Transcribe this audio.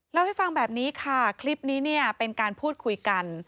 เล่าให้ฟังแบบนี้ค่ะคลิปนี้เนี่ยเป็นการพูดคุยกัน